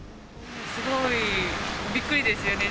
すごいびっくりですよね。